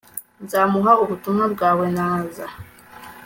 Nzamuha ubutumwa bwawe naza